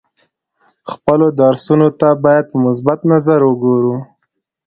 خپلو درسونو ته باید په مثبت نظر وګورو.